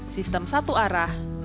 sistem satu arah